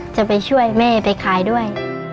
จะไปช่วยแม่ไปขายด้วย